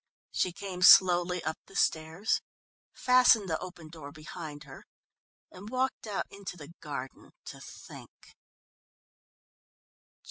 She came slowly up the stairs, fastened the open door behind her, and walked out into the garden to think.